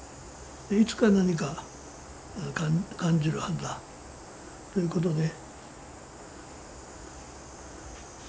いつか何か感じるはずだということで。